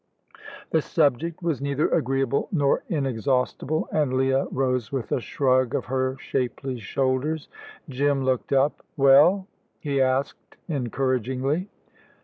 The subject was neither agreeable nor inexhaustible, and Leah rose with a shrug of her shapely shoulders. Jim looked up. "Well?" he asked encouragingly.